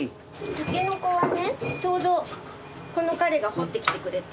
タケノコはねちょうどこの彼が掘ってきてくれて。